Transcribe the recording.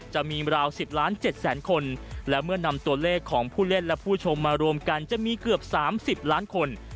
จะมีราว๑๐ล้าน๗แสนคนและเมื่อนำตัวเลขของผู้เล่นและผู้ชมมารวมกันจะมีเกือบ๓๐ล้านคน